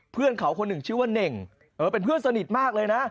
เพื่อนเขาคนหนึ่งชื่อว่าเน่งเป็นเพื่อนสนิทมากเลยนะ